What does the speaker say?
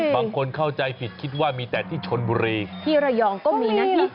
บางคนเข้าใจผิดคิดว่ามีแต่ที่ชนบุรีที่ระยองก็มีนะ